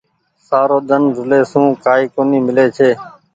سارو ۮن رولي سون ڪآئي ڪونيٚ ميلي ڇي۔